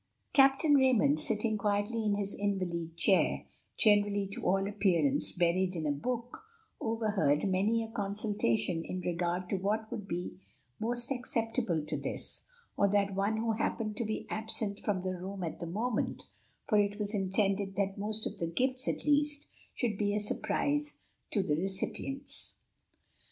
Captain Raymond, sitting quietly in his invalid chair, generally to all appearance buried in a book, overheard many a consultation in regard to what would be most acceptable to this or that one who happened to be absent from the room at the moment, for it was intended that most of the gifts, at least, should be a surprise to the recipients.